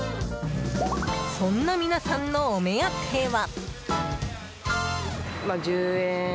そんな皆さんのお目当ては。